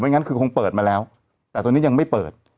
งั้นคือคงเปิดมาแล้วแต่ตอนนี้ยังไม่เปิด